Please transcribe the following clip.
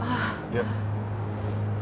いや。